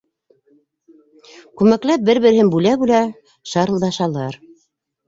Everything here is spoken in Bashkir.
Күмәкләп, бер-береһен бүлә-бүлә шарылдашалар.